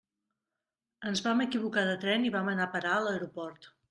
Ens vam equivocar de tren i vam anar a parar a l'aeroport.